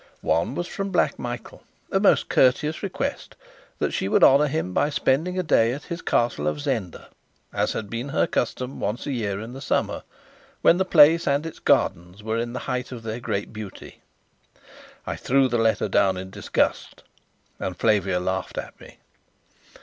One was from Black Michael a most courteous request that she would honour him by spending a day at his Castle of Zenda, as had been her custom once a year in the summer, when the place and its gardens were in the height of their great beauty. I threw the letter down in disgust, and Flavia laughed at me.